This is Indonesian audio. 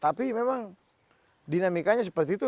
tapi memang dinamikanya seperti itu